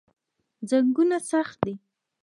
زنګونونه سخت دي.